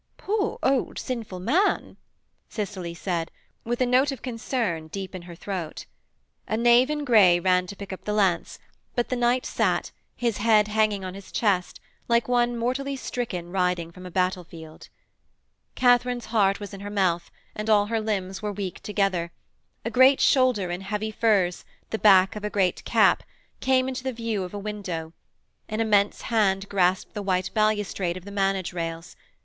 'Poor old sinful man!' Cicely said with a note of concern deep in her throat. A knave in grey ran to pick up the lance, but the knight sat, his head hanging on his chest, like one mortally stricken riding from a battlefield. Katharine's heart was in her mouth, and all her limbs were weak together; a great shoulder in heavy furs, the back of a great cap, came into the view of the window, an immense hand grasped the white balustrade of the manage rails.